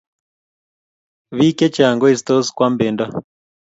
Biik chechang koestos koam bendo